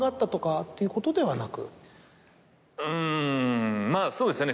うんまぁそうですよね。